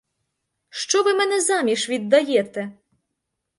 Що ви мене заміж віддаєте?